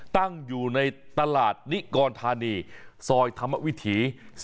ตั้งอยู่ในตลาดนิกรธานีซอยธรรมวิถี๔